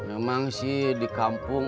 emang sih di kampung